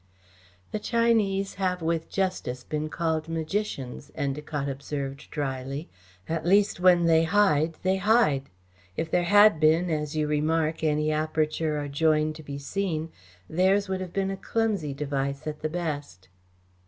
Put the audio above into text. "The Chinese have with justice been called magicians," Endacott observed drily. "At least, when they hide they hide. If there had been, as you remark, any aperture or join to be seen, theirs would have been a clumsy device at the best."